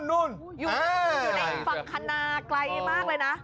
นู่นอยู่ในฝั่งคณาไกลมากเลยนะ